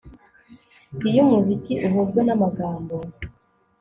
Iyo umuziki uhujwe namagambo